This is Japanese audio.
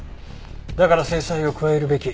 だから制裁を加えるべき。